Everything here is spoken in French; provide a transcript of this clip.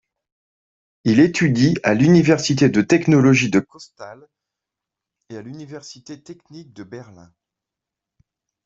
Il étudie à l'université de technologie de Clausthal et à l'université technique de Berlin.